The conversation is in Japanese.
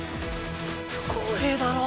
不公平だろ。